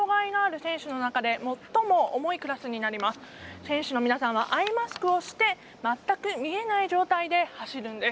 選手の皆さんはアイマスクをして全く見えない状態で走るんです。